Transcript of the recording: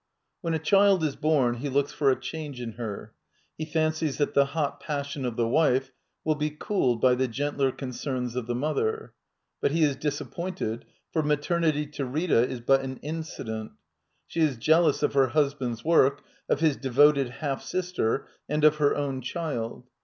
When a child is bom he looks for I a change in her: he fancies that the hot passion of I the wife will be cooled by tfie gentler concerns of ' the mother. But he is disappointed, for maternity, I to Rita, is but an incident. She is jealous of her husband's work, of his devoted half sister, and of her own child.